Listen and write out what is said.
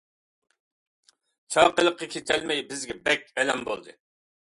چاقىلىققا كېتەلمەي، بىزگە بەك ئەلەم بولدى.